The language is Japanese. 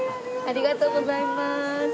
ありがとうございます。